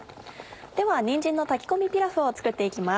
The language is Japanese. ではにんじんの炊き込みピラフを作って行きます。